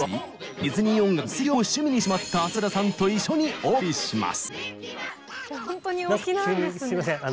ディズニー音楽の分析をも趣味にしてしまった浅倉さんと一緒にお送りします。